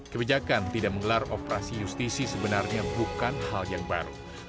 kebijakan tidak menggelar operasi justisi sebenarnya bukan hal yang baru